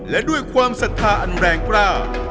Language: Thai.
และด้วยความศรัทธาอันแรงกล้า